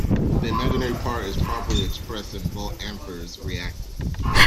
The imaginary part is properly expressed in volt-amperes reactive.